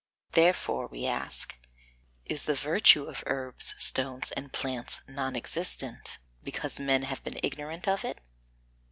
Therefore we ask, Is the virtue of herbs, stones and plants non existent because men have been ignorant of it?